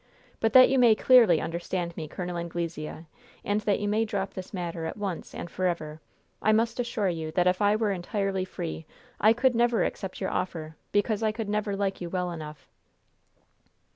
But that you may clearly understand me, Col. Anglesea, and that you may drop this matter at once and forever, I must assure you that if I were entirely free I could never accept your offer, because I could never like you well enough."